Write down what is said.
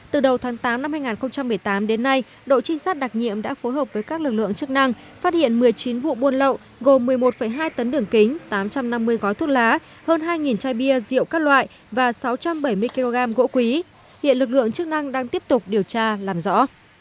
từ đầu tháng tám năm hai nghìn một mươi tám đến nay đội trinh sát đặc nhiệm đã phối hợp với các lực lượng chức năng phát hiện một mươi chín vụ buôn lậu gồm một mươi một hai tấn đường kính tám trăm năm mươi gói thuốc lá hơn hai chai bia rượu các loại và sáu trăm bảy mươi kg gỗ quý hiện lực lượng chức năng đang tiếp tục điều tra làm rõ